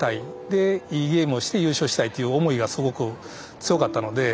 でいいゲームをして優勝したいという思いがすごく強かったので。